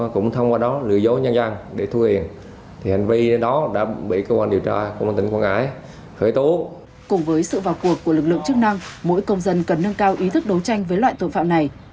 cùng với sự vào cuộc của lực lượng chức năng mỗi công dân cần nâng cao ý thức đấu tranh với loại tội phạm này